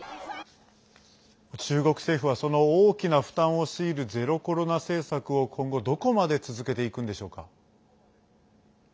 中国政府はその大きな負担を強いるゼロコロナ政策を今後どこまで続けていくんでしょうか。